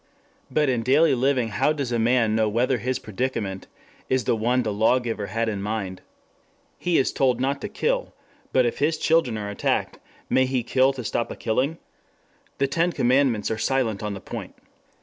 But in daily living how does a man know whether his predicament is the one the law giver had in mind? He is told not to kill. But if his children are attacked, may he kill to stop a killing? The Ten Commandments are silent on the point.